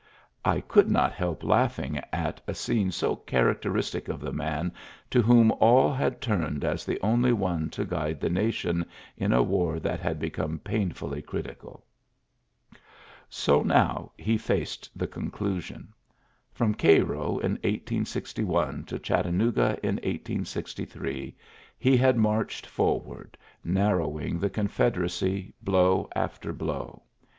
I could not help laughing at a scene so characteristic of the man to whom all had turned as the only one to guide the nation in a war that had become painfully critical." So now he faced the conclusion. From Cairo in 1861 to Chattanooga in 1863 he had marched forward, narrowing the Confederacy blow after blow.